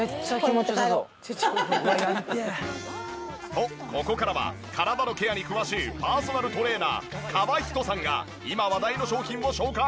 とここからは体のケアに詳しいパーソナルトレーナー川人さんが今話題の商品を紹介！